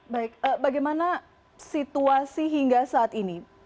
baik bagaimana situasi hingga saat ini